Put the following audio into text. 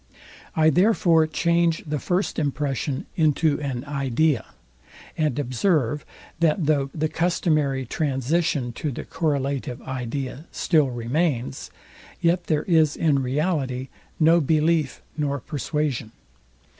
I therefore change the first impression into an idea; and observe, that though the customary transition to the correlative idea still remains, yet there is in reality no belief nor perswasion.